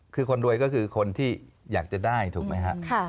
คือคนรวยก็คือคนที่อยากจะได้ถูกไหมครับ